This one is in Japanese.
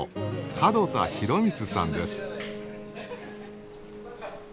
門田博光さんです。